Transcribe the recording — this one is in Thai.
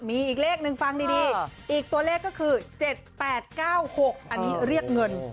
มีอีกเลขหนึ่งฟังดีอีกตัวเลขก็คือ๗๘๙๖อันนี้เรียกเงิน